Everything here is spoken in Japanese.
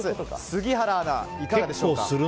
杉原アナ、いかがでしょうか？